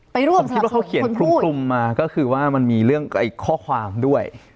ไปร่วมสนับสนุนคนพูดก็คือว่ามันมีเรื่องอีกข้อความด้วย